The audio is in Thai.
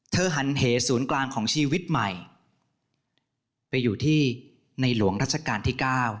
หันเหศูนย์กลางของชีวิตใหม่ไปอยู่ที่ในหลวงรัชกาลที่๙